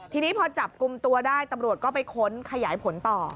ทีนี้พอจับกลุ่มตัวได้ตำรวจก็ไปค้นขยายผลต่อ